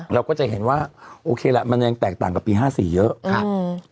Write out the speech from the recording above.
เราก็จะเห็นว่าโอเคละมันยังแตกต่างกับปี๕๔เยอะครับ